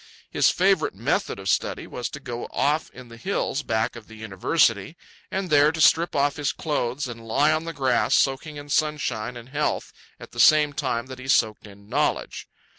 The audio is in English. His favourite method of study was to go off in the hills back of the University, and there to strip off his clothes and lie on the grass, soaking in sunshine and health at the same time that he soaked in knowledge.